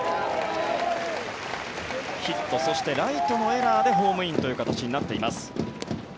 ヒットそしてライトのエラーでホームインという形になっています。